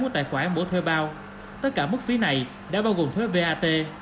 mỗi tài khoản mỗi thuê bao tất cả mức phí này đã bao gồm thuê vat